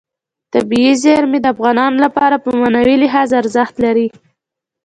طبیعي زیرمې د افغانانو لپاره په معنوي لحاظ ارزښت لري.